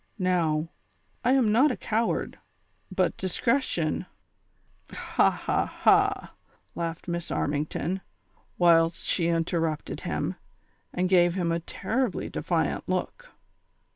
Kow, I am not a coward, but discretion "— "Ha! ha! ha!" hxughed Miss Armmgton, whilst she interrupted him, and gave liim a terribly defiant look.